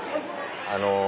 あの。